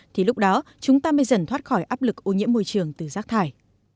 thì lúc đó chúng ta mới dần thoát khỏi áp lực ô nhiễm môi trường từ rác thải